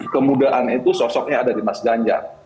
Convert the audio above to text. kemudaan itu sosoknya ada di mas ganjar